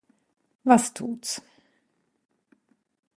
Was tut’s!